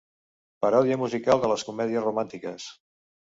Paròdia musical de les comèdies romàntiques.